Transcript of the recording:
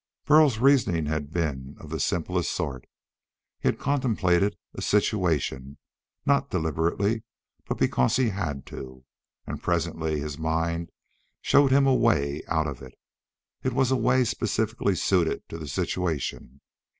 Burl's reasoning had been of the simplest sort. He had contemplated a situation not deliberately but because he had to and presently his mind showed him a way out of it. It was a way specifically suited to the situation.